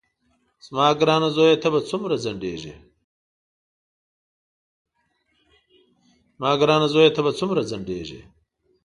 زما ګرانه زویه ته به څومره ځنډېږې.